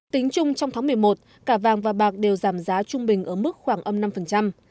tính chung trong tháng một mươi một cả vàng và bạc đều giảm giá trung bình ở mức khoảng âm năm